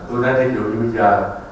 tôi nói thí dụ như bây giờ